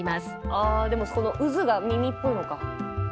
あでも渦が耳っぽいのか。